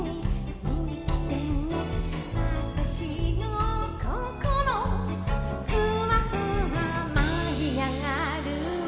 「わたしのココロふわふわ舞い上がる」